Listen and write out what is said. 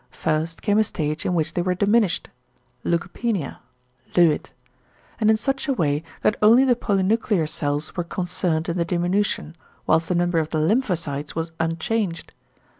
First came a stage in which they were diminished ("leukopenia," Löwit) and in such a way that only the polynuclear cells were concerned in the diminution, whilst the number of the lymphocytes was unchanged.